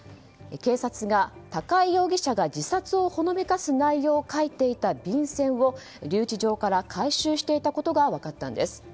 警察が高井容疑者が、自殺をほのめかす内容を書いていた便箋を留置場から回収していたことが分かったんです。